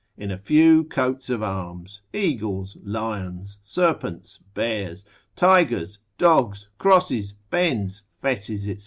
in a few coats of arms, eagles, lions, serpents, bears, tigers, dogs, crosses, bends, fesses, &c.